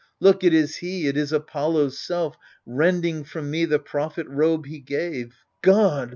Look ! it is he, it is Apollo's self Rending from me the prophet robe he gave. God